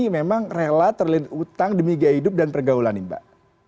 memang rela terlilit utang demi gaya hidup dan pergaulan nih mbak